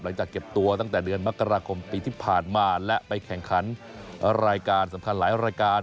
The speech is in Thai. หลังจากเก็บตัวตั้งแต่เดือนมกราคมปีที่ผ่านมาและไปแข่งขันรายการสำคัญหลายรายการ